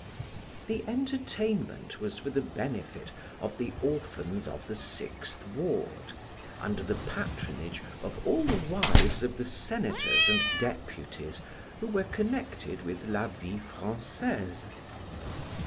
The entertainment was for the benefit of the orphans of the Sixth Ward under the patronage of all the wiles of the senators and deputies who were connected with "La Vie Francaise."